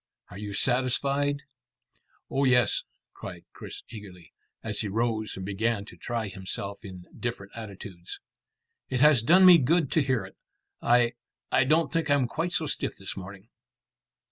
Are you satisfied?" "Oh yes," cried Chris eagerly, as he rose and began to try himself in different attitudes. "It has done me good to hear it. I I don't think I'm quite so stiff this morning."